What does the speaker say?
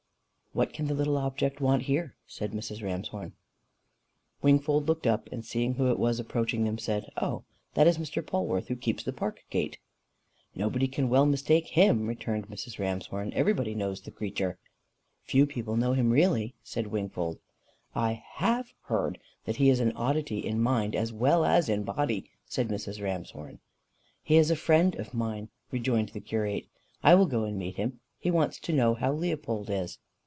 "What can the little object want here?" said Mrs. Ramshorn. Wingfold looked up, and seeing who it was approaching them, said, "Oh! that is Mr. Polwarth, who keeps the park gate." "Nobody can well mistake him," returned Mrs. Ramshorn. "Everybody knows the creature." "Few people know him really," said Wingfold. "I HAVE heard that he is an oddity in mind as well as in body," said Mrs. Ramshorn. "He is a friend of mine," rejoined the curate. "I will go and meet him. He wants to know how Leopold is."